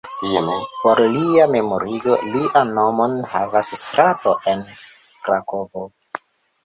Por lia memorigo, lian nomon havas strato en Krakovo.